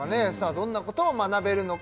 どんなことを学べるのか